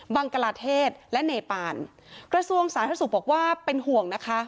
บังกลาเทศและเนปานกระทรวงสาธารณสุขบอกว่าเป็นห่วงนะคะ